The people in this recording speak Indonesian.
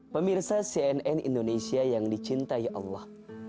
pemirsa cnn indonesia yang dicintai allah